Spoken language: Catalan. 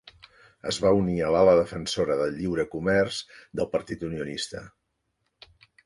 Es va unir a l'ala defensora del lliure comerç del Partit Unionista.